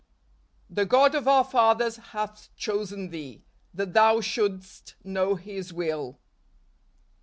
" The God of our fathers hath chosen thee, that thou shouldst know his will."